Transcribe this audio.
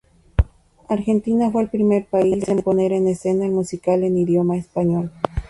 Argentina fue el primer país en poner en escena el musical en idioma español.